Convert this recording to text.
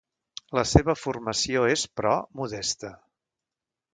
La seva formació és, però, modesta.